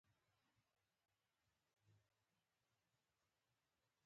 احمد دې د خدای تر داده نه پرېښود چې ده څه ويل.